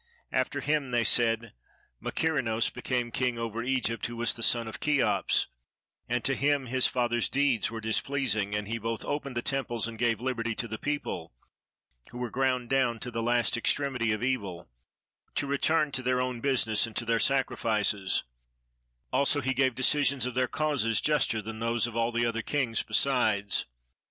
After him, they said, Mykerinos became king over Egypt, who was the son of Cheops; and to him his father's deeds were displeasing, and he both opened the temples and gave liberty to the people, who were ground down to the last extremity of evil, to return to their own business and to their sacrifices: also he gave decisions of their causes juster than those of all the other kings besides.